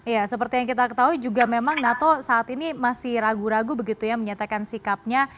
ya seperti yang kita ketahui juga memang nato saat ini masih ragu ragu begitu ya menyatakan sikapnya